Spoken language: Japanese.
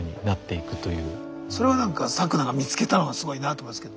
それは何かサクナが見つけたのがすごいなと思いますけど。